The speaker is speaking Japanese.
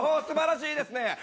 素晴らしいですね。